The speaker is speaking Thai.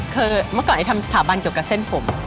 คือเมื่อก่อนไอ้ทำสถาบันเกี่ยวกับเส้นผม